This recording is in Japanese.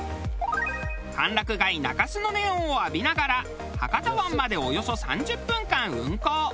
歓楽街中洲のネオンを浴びながら博多湾までおよそ３０分間運航。